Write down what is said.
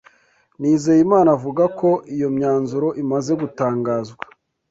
Nizeyimana avuga ko iyo myanzuro imaze gutangazwa